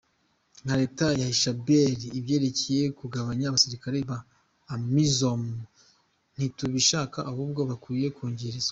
" Nka reta ya Hirshabelle, ivyerekeye kugabanya abasirikare ba Amisom ntitubishaka ahubwo bakwiye kwongerezwa".